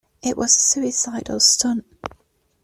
It was a suicidal stunt.